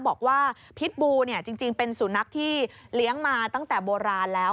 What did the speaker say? บอกว่าพิษบูเนี่ยจริงเป็นสุนัขที่เลี้ยงมาตั้งแต่โบราณแล้ว